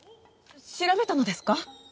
調べたのですか！？